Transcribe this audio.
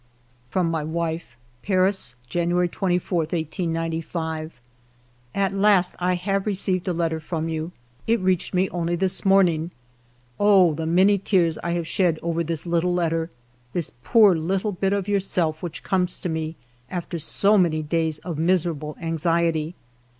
86 FIVE YEARS OF MY LIFE From my wife :— "Paris, January 24, 1895. " At last I have received a letter from you ! It reached me only this morning. Oh, the many tears I have shed over this little letter, this poor little bit of yourself, which comes to me after so many days of miserable anxiety